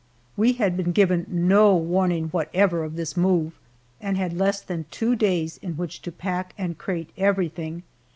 We had been given no warning whatever of this move, and had less than two days in which to pack and crate everything.